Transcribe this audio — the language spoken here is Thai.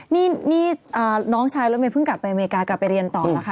นี่น้องชายรถเมยเพิ่งกลับไปอเมริกากลับไปเรียนต่อนะคะ